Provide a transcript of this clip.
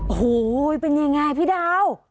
โอ้โหเป็นยังไงพี่ดาว